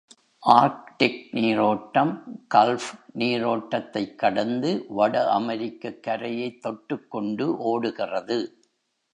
Arctic நீரோட்டம் Gulf நீரோட்டத்தைக் கடந்து, வட அமெரிக்கக் கரையைத் தொட் டுக்கொண்டு ஓடுகிறது.